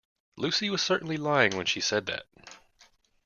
Lucy was certainly lying when she said that.